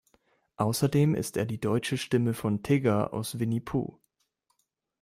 Außerdem ist er die deutsche Stimme von Tigger aus Winnie Puuh.